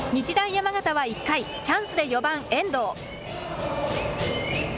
山形は１回、チャンスで４番・遠藤。